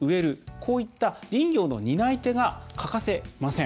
こういった林業の担い手が欠かせません。